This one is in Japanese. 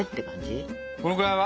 このぐらいは？